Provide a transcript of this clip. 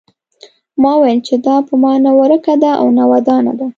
ما وویل چې دا په ما نه ورکه ده او نه ودانه ده.